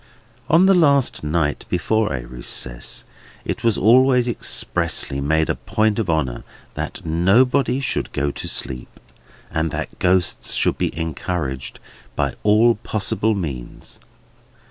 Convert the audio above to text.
On the last night before a recess, it was always expressly made a point of honour that nobody should go to sleep, and that Ghosts should be encouraged by all possible means.